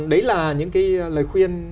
đấy là những cái lời khuyên